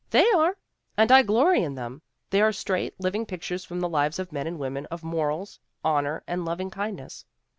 They are! And I glory in them ! They are straight, living pictures from the lives of men and women of morals, honor, and loving kind ness.